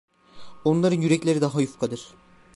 Onların yürekleri daha yufkadır.